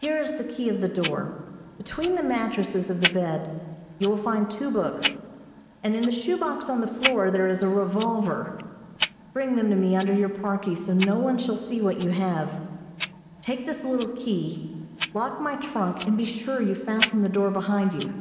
"Here is the key of the door. Between the mattresses of the bed you will find two books, and in the shoe box on the floor there is a revolver. Bring them to me under your parkie so no one shall see what you have. Take this little key, lock my trunk and be sure you fasten the door behind you.